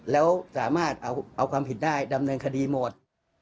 แล้วสามารถเอาความผิดได้ดำเนินคดีหมด